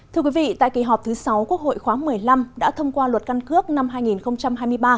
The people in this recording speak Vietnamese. thưa quý vị tại kỳ họp thứ sáu quốc hội khóa một mươi năm đã thông qua luật căn cước năm hai nghìn hai mươi ba